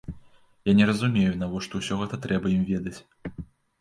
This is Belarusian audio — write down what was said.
Я не разумею, навошта ўсё гэта трэба ім ведаць.